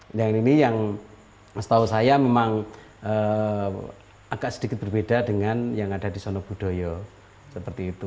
ada yang ini yang setahu saya memang agak sedikit berbeda dengan yang ada di sono budoyo seperti itu